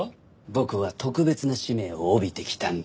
僕は特別な使命を帯びて来たんです。